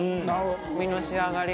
身の仕上がりが。